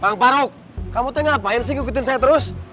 bang parok kamu tuh ngapain sih ngikutin saya terus